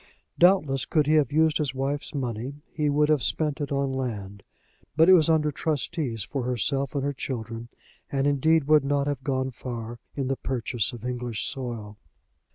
Doubtless, could he have used his wife's money, he would have spent it on land; but it was under trustees for herself and her children, and indeed would not have gone far in the purchase of English soil.